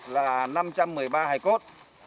là năm trăm một mươi ba hải cốt